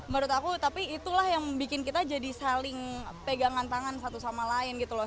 menurut aku tapi itulah yang bikin kita jadi saling pegangan tangan satu sama lain gitu loh